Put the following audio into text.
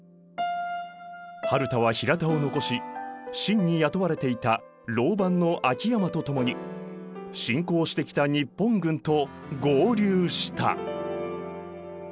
春田は比良田を残し清に雇われていた牢番の秋山とともに進攻してきた日本軍と合流した。